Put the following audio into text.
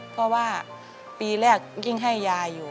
เพราะว่าปีแรกยิ่งให้ยายอยู่